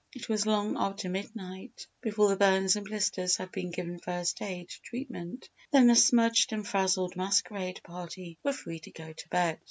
It was long after midnight before the burns and blisters had been given first aid treatment; then a smudged and frazzled Masquerade Party were free to go to bed.